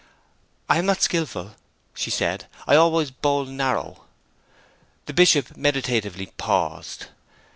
'I am not skilful,' she said. 'I always bowl narrow.' The Bishop meditatively paused.